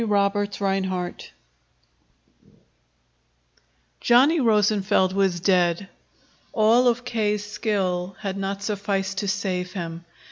CHAPTER XXVIII Johnny Rosenfeld was dead. All of K.'s skill had not sufficed to save him.